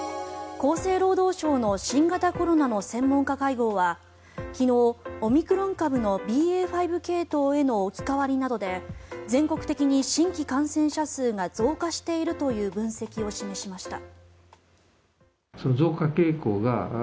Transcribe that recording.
厚生労働省の新型コロナの専門家会合は昨日、オミクロン株のＢＡ．５系統への置き換わりなどで全国的に新規感染者数が増加しているという分析を示しました。